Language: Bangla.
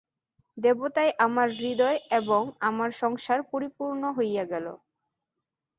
দেবতায় আমার হৃদয় এবং আমার সংসার পরিপূর্ণ হইয়া গেল।